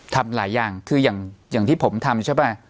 ทำหลายอย่างคืออย่างที่ผมทำใช่ป่ะ